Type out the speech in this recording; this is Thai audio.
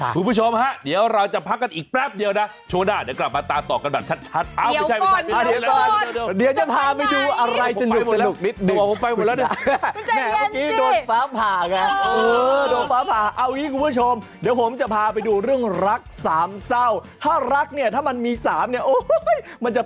คุณผู้ชมฮะเดี๋ยวเราจะพักกันอีกแป๊บเดียวนะช่วงหน้าเดี๋ยวกลับมาตามต่อกันแบบชัด